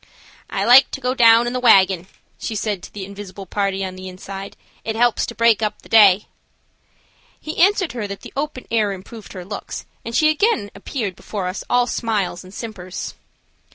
"I like to go down in the wagon," she said to the invisible party on the inside. "It helps to break up the day." He answered her that the open air improved her looks, and she again appeared before us all smiles and simpers.